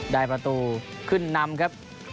ได้ประตูขึ้นนำครับ